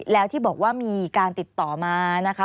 แล้วที่บอกว่ามีการติดต่อมานะคะ